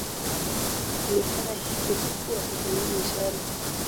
Wlifanya hivyo huku wakitumia mishale